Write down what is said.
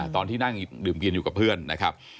ตอนที่นั่งดื่มกินอยู่กับเพื่อนนะครับ